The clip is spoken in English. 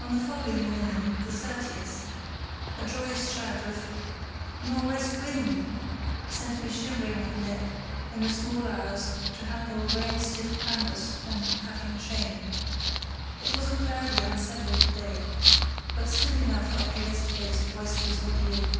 On the following morning, the 30th, a joyous shout of "Nor' west wind" sent me shivering on deck, in the small hours, to handle rain stiff canvas and cutting chain. It was a cloudy, unsettled day, but still enough after yesterday's boisterous ordeal.